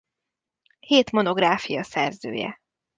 Hét monográfia szerzője.